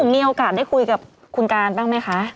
มีโอกาสได้คุยกับคุณการบ้างไหมคะ